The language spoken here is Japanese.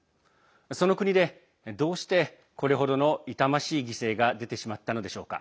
その国で、どうしてこれほどの痛ましい犠牲が出てしまったのでしょうか。